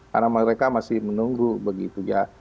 karena mereka masih menunggu begitu ya